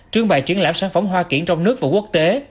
trương bài triển lãm sản phẩm hoa kiển trong nước và quốc tế